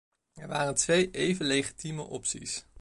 Er waren twee even legitieme opties.